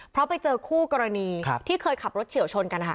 เพราะไปเจอคู่กรณีที่เคยขับรถเฉียวชนกันนะคะ